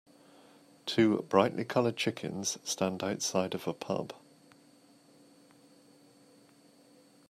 Two brightly colored chickens stand outside of a pub.